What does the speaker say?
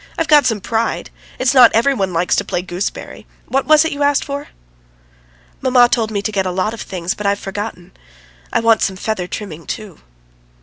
I've got some pride. It's not every one likes to play gooseberry. What was it you asked for?" "Mamma told me to get a lot of things, but I've forgotten. I want some feather trimming too."